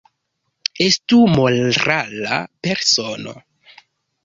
Estu morala persono.